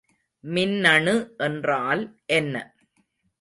மின்னணு என்றால் என்ன?